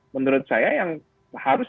menurut saya yang harus